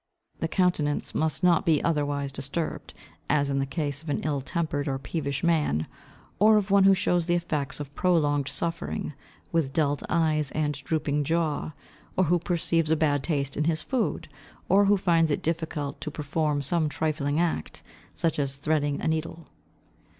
The countenance must not be otherwise disturbed, as in the case of an ill tempered or peevish man, or of one who shows the effects of prolonged suffering, with dulled eyes and drooping jaw, or who perceives a bad taste in his food, or who finds it difficult to perform some trifling act, such as threading a needle.